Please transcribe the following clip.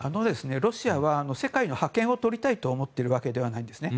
ロシアは世界の覇権をとりたいと思っているわけではないんですね。